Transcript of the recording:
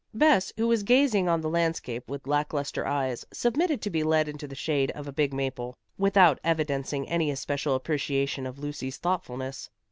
Bess, who was gazing on the landscape with lack lustre eyes, submitted to be led into the shade of a big maple, without evidencing any especial appreciation of Lucy's thoughtfulness.